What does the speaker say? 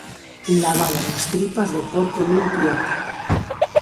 Lavaban as tripas do porco nun piote.